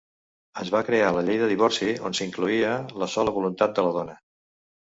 Es va crear la llei de divorci, on s'incloïa la sola voluntat de la dona.